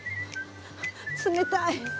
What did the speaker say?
冷たい！